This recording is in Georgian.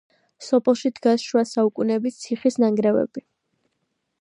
სოფელში დგას შუა საუკუნეების ციხის ნანგრევები.